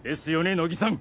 乃木さん！